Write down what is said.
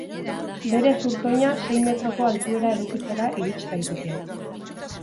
Bere zurtoina sei metroko altuera edukitzera irits daiteke.